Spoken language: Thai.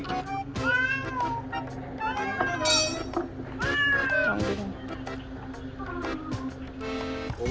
น้องดึง